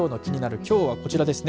きょうはこちらですね